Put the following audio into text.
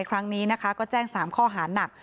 ครั้งนี้นะคะก็แจ้ง๓ข้อหาหนัก